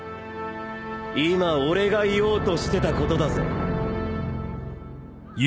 今俺が言おうとしてたことだぜ！